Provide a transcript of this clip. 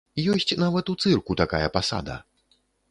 Ёсць нават у цырку такая пасада!